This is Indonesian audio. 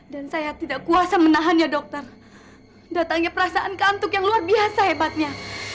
dan saya tidak kuasa menahannya dokter datangnya perasaan kantuk yang luar biasa hebatnya